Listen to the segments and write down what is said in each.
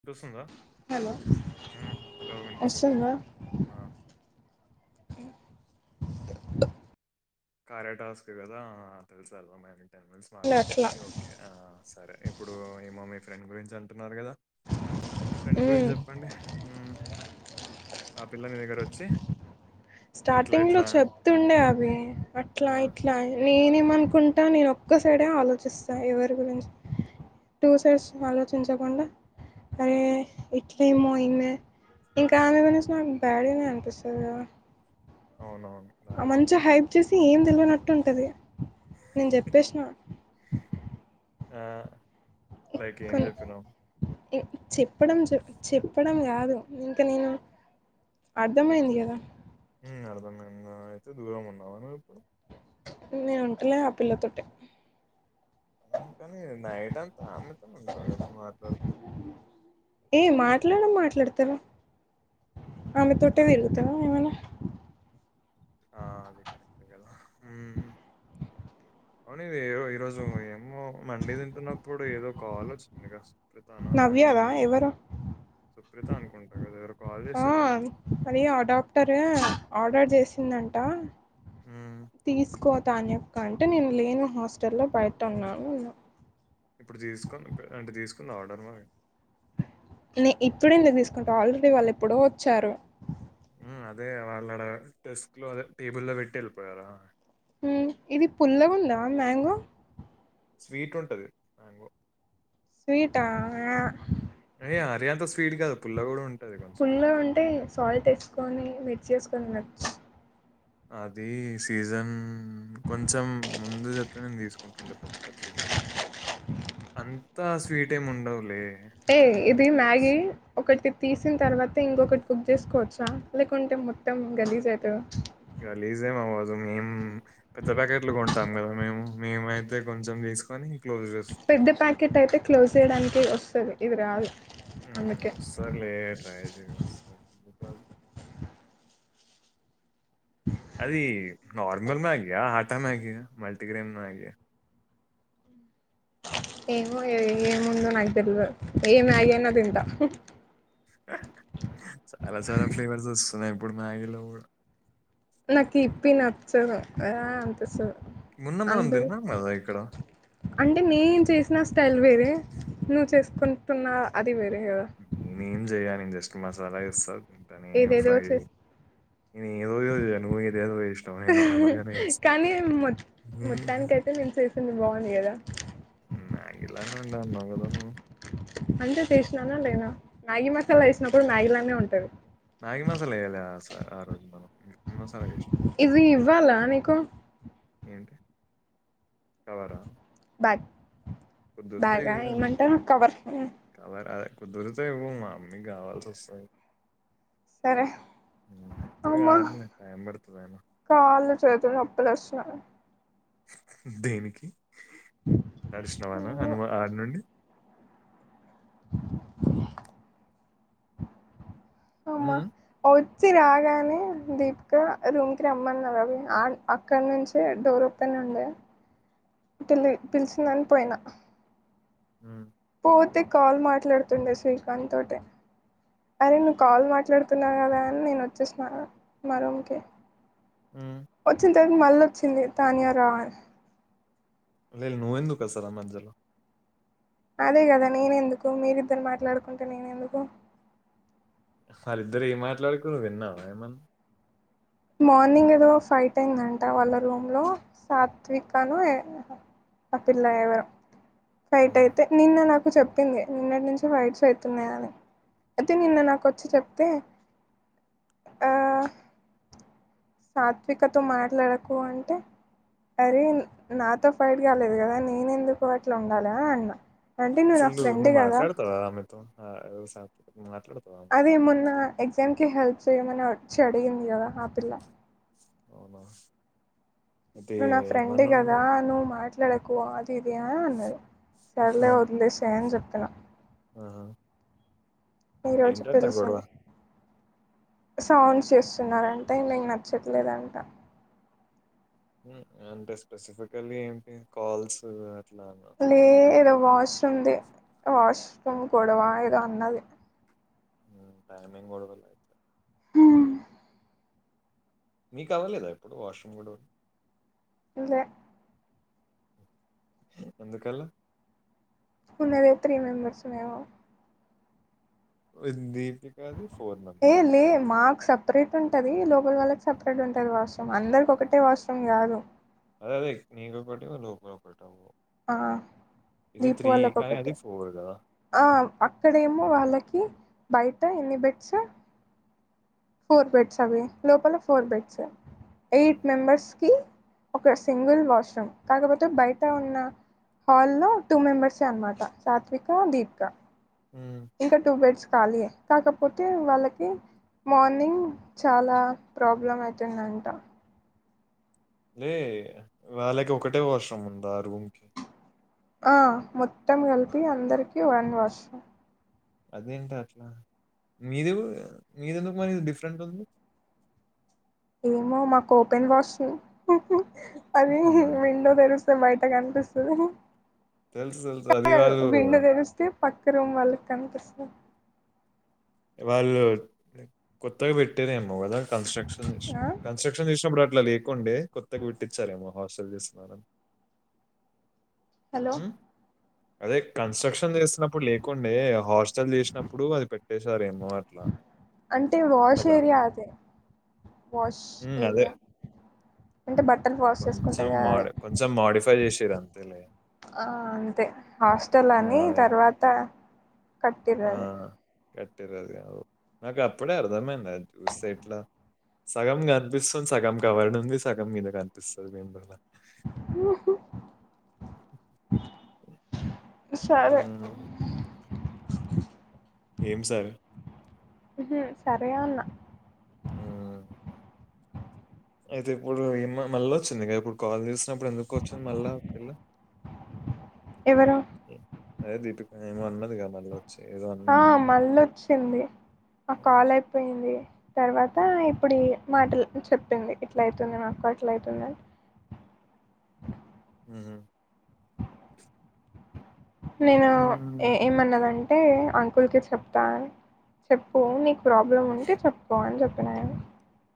వినిపిస్తుందా హలో హు హలో వినిపిస్తుంది అండి వస్తుందా ఆ [unintelligible] టాస్క్ కదా తెలుసమ్మా టెన్ మినిట్స్ ఇలా అట్లా మాట్లాడాలి ఓకే ఆ సరే ఇప్పుడు ఏమో ఫ్రెండ్ గురించి అంటున్నారు కదా ఫ్రెండ్ గురించి మ్మ్ చెప్పండి హ్మ్ ఆ పిల్ల నీ దగ్గర వచ్చి స్టార్టింగ్ లో చెప్తుండే అవి ఆ! అట్లా ఇట్లా నేను ఎమ్ మనుకుంటా నేను ఒక్క సైడే ఆలోచిస్తా ఎవరి గురించి టూ సైడ్స్ ఆలోచించకుండా అరే ఇట్లేమో ఈమె ఇంకా ఆమె గురించి నాకు బాడ్గానే అనిపిస్తదిగదా అవునవును. రాయడం. మంచి హైప్ చేస్ అదే ఏం తెలవనట్టే ఉంటది నేను చేపేశ్న ఆ లైక్ ఏం కొన్ని చెప్పినావ్ చెప్పడం చె చెప్పడం కాదు ఇంక నేను అర్థమైంది గదా హ్మ్ అర్థం అయింది అయితే దూరం ఉన్నావు నువ్వు ఇప్పుడు నేను ఉంటలే ఆ పిల్లతోటి అందుకని నైట్ అంతా ఆమెతోనే ఉంటావు గదా మాట్లాడు తురు ఆమె తోటే తిరుగుతా ఏమైనా ఆ అది కరెక్ట్ కదాహ్మ్ అవును ఇది ఈరోజు ఏమో మండి తింటున్నప్పుడు ఏదో కాల్ వచ్చింది గా నవ్యనా ఎవరు సుప్రీత అనుకుంటా కదా ఎవరో కాల్ మరి చేసారు కానీ ఆ అది అడాప్టార్ ఆర్డర్ చే వచ్చిందంట ఉమ్, తీసుకో తాన్యక్క అంటే నేను లేను హాస్టల్లో బయట ఉన్నాను అన్న ఇప్పుడు తీసుకు అంటే తీసుకున్నవ ఆర్డర్ మరి నే ఇప్పుడు ఎందుకు తీసుకుంట ఆల్రెడీ వాళ్ళు ఎప్పుడో వచ్చారు అదే వాళ్ళడ డెస్క్ లో అదే టేబుల్ లో పెట్టి ఎళ్ళిపోయారా హ్మ్ ఇది పుల్లగుందా మ్యాంగో స్వీట్ ఉంటది మ్యాంగో స్వీటా యా అయ్య అరీ అంత స్వీడ్ కాదు పుల్ల కూడా ఉం పుల్లగా ఉంటే సాల్ట్ తెచ్చుకొని మిక్స్ చేస్ వున్నా అది సీజన్ కొంచెం ముందు చెప్ నేను తీసుకుంటుండే పచ్చి పచ్చి అంతా స్వీట్ ఏమి ఉండవులే ఎ ఇది మ్యాగీ ఒకటి తీసిన తర్వాత ఇంకొకటి కుక్ చేసుకోవచ్చా లేకుంటే మొత్తం గలీజ్ అవుతుంది గలీజ్ ఎమ్ అవధు మేం పెద్ద ప్యాకెట్లు కొంటాం కదా మేము మేమైతే కొంచెం తీసుకొని క్లోజ్ చేస్తాం పెద్ద ప్యాకెట్ అయితే క్లోజ్ చేయడానికి వస్తుంది ఇది రాధు ఉమ్ వస్తుది లే ట్రాయి చెయ్ ఇగా వాస్ సబ్ అది నోర్మల్ మాగీయా ఆటా మాగీయా మల్టీగ్రేన్ మాగీయా ఏనుో ఏము ముంద నాగదిల్ ఏ మాగీయా అన్నో థింటా ఆ చాలా చాలా ఫ్లేవర్స్ వస్తు తునయ్ ఇప్పుడు మ్యాగలో కుడా నాకు ఇప్పి నచ్చదు వా అనిపిస్తాది మొన్న మనం అందు తిన్నాం కదా ఇక్కడ అంటే నేను చేసిన స్టైల్ వేరే నువ్వు చేస తీసుకుంటున్నా అ నను జయ న జస్ మసాలా ఇ స ఇంటనేం ఏదేదో ఫ్రై చేస్ నేను ఏదేదో చేసా జనుభద ఏదోజు ఇష్టం నేను నంగలుగానే ఇస్తాను కానీ మొ మొత్తానికయితే నేను చేసింది బాగుంది కదా మంగలానండి అంగదా నువ్వు అంతే చేసినానా లేనా మాగీ మసాలా వేసినప్పుడు మాగీ లానే ఉంటాయి ట మ్యాగి మసాలాల ఆజ మ మ మసాలా ఇష్ట ఇది ఇవ్వాలా నీకు ఏంటి కవరా ప కుదిరితే బాగా ఇవ్వు. ఏమంటారు ఆ కవర్ కుదురితే ఇవో మా అమ్మీ కావాల్సి వస్తుంది సరే ఇప్పుడు అమ్మా కాాల టైం పడుతుంది అనా చతు నప్పలస్ దేనికి తరిశనవానా అనుమా ఆరు నుండి అమ ఉమ్, అ వాచి రాగానే దీపిక రూమ్కి రమ్మన్నారు అవి అక్కడి నుంచి డోర్ ఓపెన్ ఉండే పిలి పిలిచిందని పోయినా ఉమ్ పోతే కాల్ మాట్లాడుతుండే శ్రీకాంత్ తోటీ అరే నువ్వు కాల్ మాట్లాడుతున్నావు కదా అని నేను వచ్చేస్తున్నాను మరోంకే ఉమ్ ఇత్త మళ్ళీ వచ్చింది తానియ రాని నువ్వవుందు కసరా మధ్యలో అదే కదా నేనెందుకు మీరిద్దరు మాట్లాడుకుంటే నేనెందుకు వాళ్ళిద్దరు ఏ మాట్లాడుకు నువ్వు విన్నావు ఏమన్నా మార్నింగ్ ఏదో ఫైవ్ టైందంట వాళ్ళ రూమ్లో సాత్వికను ఆ పిల్లయ్యేవరు రైట్ ఉమ్. అయితే నిన్న నా నాకు చెప్పింది నిన్నటి నుంచి వైడ్స్ అవుతున్నాయా అని అయితే నిన్న నాకు వచ్చి చెప్తే సాత్వికతో మాట్లాడకు అంటే అరే నాతో ఫైట్ కాలేదు కదా నేనుెందుకు అట్లా ఉండాలి అని అన్నా అసలు దూ ను మాకడత అమె అదే మొన్న ఎగ్జామ్కి హెల్ప్ చేయమని వచ్చి అడిగింది కదా ఆ పిల్ల అవునా అయితే న ఆ ఫ్రెంగ ఏమన్నాను అదా మరి నువ్ మా నకువ అది సిరియానే ఉన్నది సరలే వదిలేసా అని చెప్ ఇక్క ఆ ఈరోజు పిలుసారు సౌండ్స్ చేస్తున్నారంటే నేం నచ్చట్లేదంట అంటే స్పెసిఫికలీ ఏంటి కాల్స్ అట్లానా సౌండ్ లేదవాష్ తుంది వాష్ రూమ్ గొడవ ఏదో అన్నది [inaudible] మీకు అవ్వలేదా ఎప్పుడు వాష్రూమ్ గొడవలు లే ఎందుకలా ఉన్నదే త్రీ మెంబర్స్ మేము ఇంది ఏ లే మాకు సపరేట్ ఉంటది లో ల్ వాళ్ళకి సపరేట్ ఉంటుంది వాష్రూమ్ అందరికి ఒకటే వాష్రూమ్ కాదు అదే నీదొకటి లోపల ఒకటి ఆ దీపు వాళ్ళకు కానీ ఒకటే అది గదా! ఆ అక్కడేమో వాళ్ళకి బయట ఎన్ని బెడ్స్ ఫోర్ బెడ్స్ అవి లోపల ఫోర్ బెడ్స్ హ్మ్. ఎయిట్ మెంబర్స్కి ఒక సింగిల్ వాష్రూమ్ కాకపోతే బయట ఉన్న హాల్ లో టూ మెంబర్సే అన్నమాట సాత్విక దీపిక హ్మ్. ఇంకా టూ బెడ్స్ ఖాళీయే కాకపోతే వాళ్ళకి మార్నింగ్ చాలా ప్రాబ్లం అవుతుంది అంట లే వేళకి ఒకటే వాష్ రూమ్ ఉందా ఆ రూమ్కిి ఆ మొత్తం కలిపి అందరికిీ వన్ వాష్రూమ్ అదేంటి అట్లా మీది మీదెందుకు మరి డిఫరెంట్ ఉంది ఏమో మా కూ పెన్ వాచ్ అది మ అని జెప్పి. మీండో తెరుస్త మై కనిపిస్తు తెలుసు. తెలుసు. అది వాళ్ళు విండా దనుస్ తీ పక్ క్కర మళకను దస్ వాళ్ళు కొత్తగా పెట్టేదేమో కదా కన్స్ట్రక్షన్ విష ఆ కన్స్ట్రక్షన్ విష అప్ ఇట్లా లేకుండే కొత్తగా పెట్టించారేమో హాస్టల్ చేస్తున్నారని హలో మ్మ్ అదే కన్స్ట్రక్షన్ చేస్తున్నాం ఇప్పుడు లేకుండే హాస్టల్ చేసినప్పుడు అది పెట్ చేసారేమో ఆట్లా అంటే వాష్ ఏరియా అదే వాష్ ఉమ్, అదే ఏరియా అంటే బట్టలు వాష్ కొంచెం చేసుకుంటారు కదా అదే మాడ్ కొంచెం మాడిఫై చేస ర అంతేలే అంతే హాస్టల్ ఆ, అని తర్వాత కట్దుదేరా కట్టే రజుగా ఓ నాకు అప్పుడే అర్థమైంది అది చూస్తే ఇట్లా సగం కనిపిస్తుంది సగం కవర్డ్ ఉంది సగం మీద కనిపిస్తుంది మేముల్ల సరే ఏం సార్ మ్మ్ హు సరే ఉన్న అయితే ఇప్పుడు ఏ మళ్ళా వచ్చింది ఇ ఇప్పుడు కాల్ తీసినప్పుడు ఎందుకు వచ్చింది మళ్ళా పిల్ల ఎవరు ఏ- అదే దీపిక ఏమో అన్మది కా మనలో ఆ మళ్ళీ వచ్చింది ఆ కాల్ అయిపోయింది తర్వాత ఇప్పుడు ఈ మాటలు చెప్పింది ఇట్ల అయితుంది మాకు అట్ల అవుతుందని మ్మ్ హు నేను ఏ ఉమ్. ఏమన్నదండి అంటే అంకుల్ క చెప్తాను చెప్పు నీకు ప్రాబ్లమ్ ఉంటే చెప్పుకోవ అని చెప్ క్లారి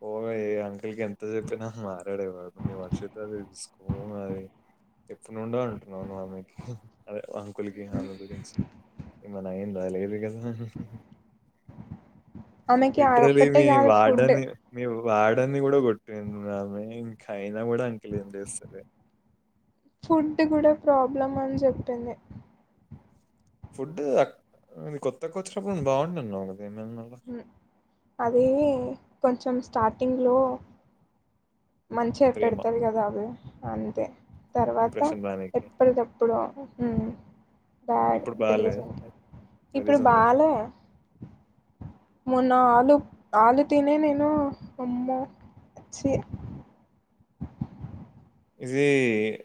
పోహ చెయ్యి అంటే ఇగ ఎంత చెప్పినా మారడే వాడు మీ వర్ష తల్లి చూడు స్కూ అది నుండ అంటున్నావ నువ్ ఆమేకీ అదె అంకులకి ఆమె గురించి ఏమన్న అయిందా లేదు కదా హా హా ఆమెకి అదొక్కటే గాదు ఫుడ్ వార్డెన్ నీ కూడ కొట్టింది ఆమె ఇంకా అయినా కూడా అంకుల్ ఏం చేస్తలే ఫుడ్ కూడా ప్రాబ్లం అని చెప్పింది ఫుడ్డు కొత్తగ వచ్చినప్పుడు నువ్వు బాగుందన్నావ్ కదా ఏమన్నా ఉమ్ అదీ కొంచెం స్టార్టింగ్లో మంచిగ ప్రేమ పెడతది కదా ఆమె అంతే తర్వాత ఇంప్రెషన్ దానికి. ఎప్పటికప్పుడు ఉమ్ బ్యాడ్ ఇప్పుడు బాలే వెళ్ళిచేసేదానికి ఆ ఇప్పుడు రీజన్ ఉందట్టు. బాలే మొన్న ఆలు ఆలు తినే నేను అమ్మో ఛీ ఇదీ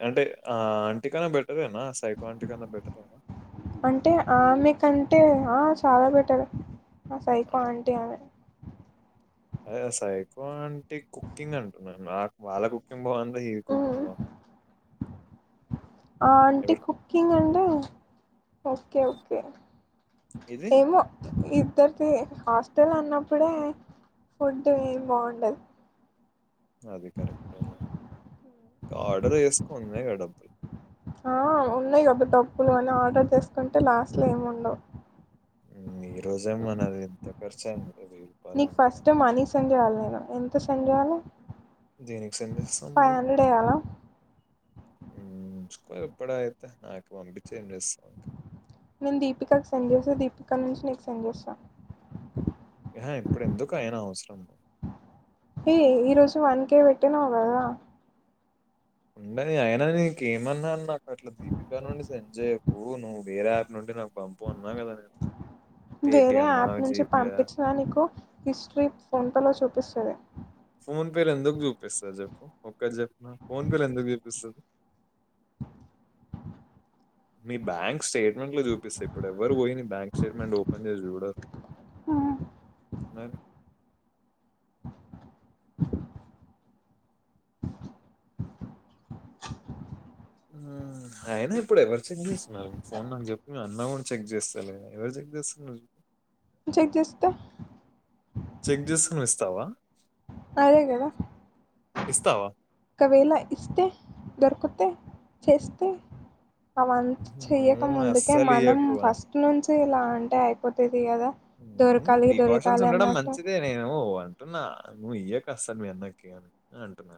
అంటే ఆ ఆంటీ కన్న బెటరేనా అంటే ఆమె కం టే ఆ చాలా బెటరే ఆ సైకో ఆహ్, ఆంటీ ఆమె అదే సైకో ఆంటీ కుకింగ్ అంటున్నాను నాక్ వాళ్ళ కుకింగ్ బావుందా? ఈవి ఆ కుకింగ్ బావుందా? ఆ ఆంటీ ఎవరు కుకింగ్ అంటే ఓకే ఓకే ఇది? ఏమో ఇ ఇద్దరికి హాస్టల్ అన్నప్పుడే ఫుడ్ ఏం బాగుండదు అది కరెక్టే లే ఆర్డర్ చేసుకో ఉన్నాయగా డబ్బుల్ ఆ ఉన్నాయి డబ్బుల్ డబ్బులు అలా ఆర్డర్ చేసుకుంటే లాస్ట్లో ఏమి ఉండవు ఖర్చ ఐంది నీకు ఫస్ట్ టైం మనీ సెండ్ చెయ్యాలి నేను ఎంత సెన్ సెండ్ జెయ్యాలే దేనికి సెండ్ చేస్తావ్ మళ్ళ వేయాలా ఉంచుకో ఇప్పుడైతే నాకు పంపిచ్చి ఏం చేస్తవ్ నేను దీపికాకు సెండ్ చేసి దీపికా నుంచి నీకు సెండ్ చేస్తాను ఆ ఇప్పుడు ఎందుకు అయినా అవసరం ఏ ఈరోజు వన్ కే పెట్టినావు కదా ఉండని అయిన నీకేమన్నాను నాకు అట్ల దీపిక నుండి సెండ్ చేయ్యకూ నువ్వు వేరే యాప్ నుండి నాకు పంపు అన్ వేరే యాప్ నుంచి జీపేయా పంపించినా నీకు హిస్ట్రీ ఫోన్పేలో చూపిస్తది ఫోన్ పేలు ఎందుకు చూపిస్తుంది చెప్పు ఒక్కటి చెప్పు నాక్ ఫోన్ పే లో ఎందుకు చూపిస్తది మీ బ్యాంక్ స్టేట్మెంట్ లో చూపిస్త ఇప్పుడు ఎవ్వరూ పోయి నీ బ్యాంక్ స్టేట్మెంట్ ఓ పెన్ చేసి చూడరు మరి అయినా ఇప్పుడు ఎవరు చెక్ చేస్తున్నారు ఫోన్ నాకు చెప్పు అన్నా కూడా చెక్ చేస్తాలే ఎవరు చెక్ చేస్తున్నారు నే చెక్ చేస్తా చెక్ చేస్కోని ఇస్తావా అదే కద ఇస్తావా ఒకవేళ ఇస్తే దొరుకుతే చేస్తే అవంతా చెయ్యక నువ్వు ముందుకే అస్సలు మనం ఇయ్యకు ఫస్ట్ నుంచి ఇలా అంటే అయిపోతది ది కదా ముందు దొరకాలి ప్రికాషన్స్ దొరకాలి ఉండడం అన్నట్టు మంచిదే నేను అంటున్నా నువ్వు ఇయ్యకు కసలు మీ అన్నకి అని అంటున్నా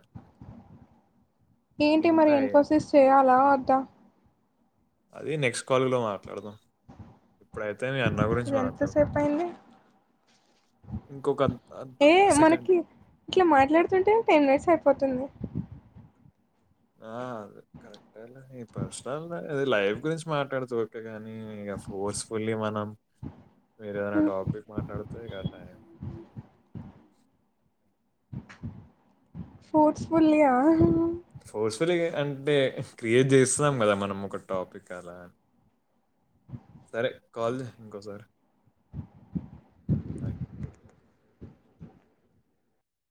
ఏంటి ఇంత మరి ఏ- ఇన్ఫోసిస్ చేయాలా వద్దా అది నెక్స్ట్ కాల్ లో మాట్లాడదాం ఇప్పుడైతే మీ అన్న గురించి ఇది మాట్లాడు ఎంతసేపు అయింది ఇంకొక ఏ సెకండ్ మనకి ఇట్లా మాట్లాడుతుంటే టెన్ మినిట్స్ అయి పొతుంది ఆ అ అదే కరెక్ట్ లే నీ పేర్సనల్ దే అది లైఫ్ గురించి మాట్లాడుతే ఓకే గానీ ఇగ ఫోర్స్ఫుల్లీ మనం మీరు ఏదైనా టాపిక్ మాట్లాడితే క టైం ఫ్రూట్స్ పులియా ఫోర్స్ఫులి అంటే క్రియేట్ చేస్తున్నాం కదా మనం ఒక టాపిక్ అలా సరే కాల్ చే ఇంకోసారి